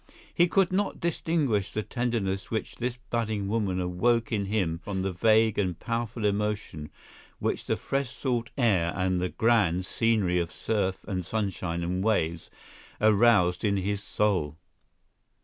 He could not distinguish the tenderness which this budding woman awoke in him from the vague and powerful emotion which the fresh salt air and the grand scenery of surf and sunshine and waves aroused in his soul.